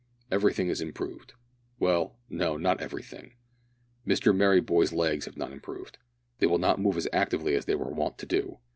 Everything is improved Well, no, not everything. Mr Merryboy's legs have not improved. They will not move as actively as they were wont to do.